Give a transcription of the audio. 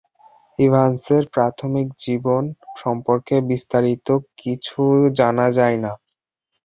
ইভান্সের প্রাথমিক জীবন সম্পর্কে বিস্তারিত কিছু জানা যায় না।